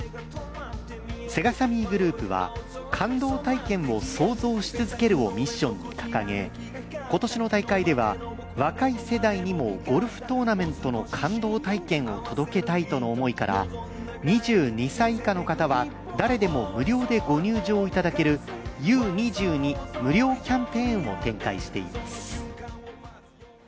セガサミーグループは「感動体験を創造し続ける」をミッションに掲げ今年の大会では若い世代にも「ゴルフトーナメントの感動体験を届けたい」との思いから２２歳以下の方は誰でも無料でご入場いただけるＵ−２２無料キャンペーンを展開しています。